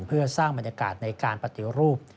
เพื่อสร้างบรรยากาศในการปฏิรูป